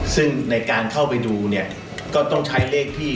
ซึ่งในการเข้าไปดูเนี่ยก็ต้องใช้เลขที่